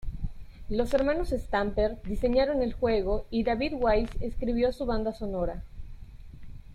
Los hermanos Stamper diseñaron el juego y David Wise escribió su banda sonora.